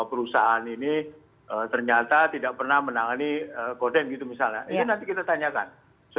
ke argumentasi dari kedua api yang diskuat ini